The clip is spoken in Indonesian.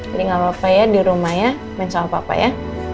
jadi gapapa ya di rumah ya main sama papa ya